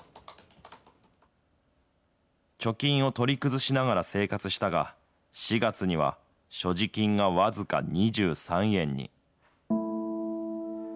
貯金を取り崩しながら生活したが、４月には所持金が僅か２３円に。